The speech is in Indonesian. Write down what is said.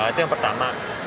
itu yang pertama